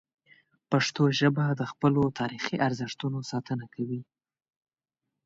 پښتو ژبه د خپلو تاریخي ارزښتونو ساتنه کوي.